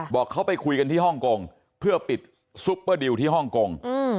บอกเขาไปคุยกันที่ฮ่องกงเพื่อปิดซุปเปอร์ดิวที่ฮ่องกง